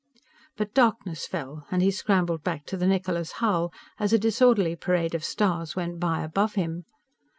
But darkness fell, and he scrambled back to the Niccola's hull as a disorderly parade of stars went by above him.